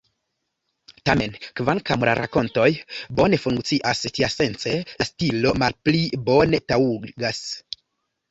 Tamen, kvankam la rakontoj bone funkcias tiasence, la stilo malpli bone taŭgas.